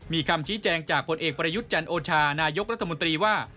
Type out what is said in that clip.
มีคำชี้แจงจากผลเอกประยุทธ์จันโอชานายกรัฐมนตรีว่า